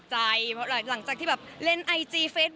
หันมาอีกทีอุ๊ยเจอเลย